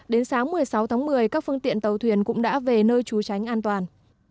đến sáng một mươi sáu tháng một mươi các phương tiện tàu thuyền cũng đã về nơi trú tránh an toàn